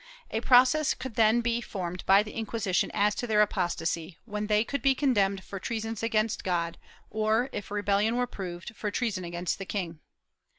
A process could then be formed by the Inquisition as to their apostasy, when they could be condemned for treason against God, or, if rebellion were proved, for treason against the king.